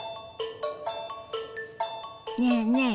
ねえねえ